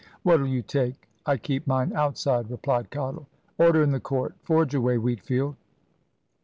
"What'll you take! I keep mine outside," replied Cottle. "Order in the court. Forge away, Wheatfield."